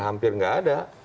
hampir enggak ada